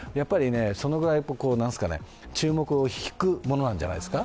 そのくらい注目を引くものなんじゃないですか。